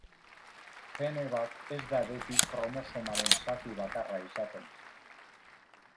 Gene bat ez da beti kromosomaren zati bakarra izaten.